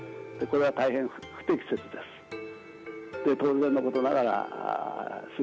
これは大変不適切です。